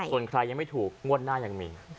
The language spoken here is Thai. ส่วนใครยังไม่ถูกงวดหน้ายังมี